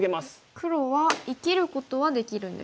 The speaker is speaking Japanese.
黒は生きることはできるんですか？